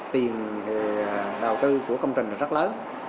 tiền đầu tư của công trình rất lớn